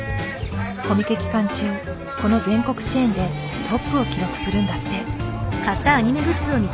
コミケ期間中この全国チェーンでトップを記録するんだって。